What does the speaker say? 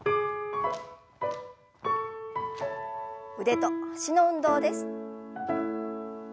腕と脚の運動です。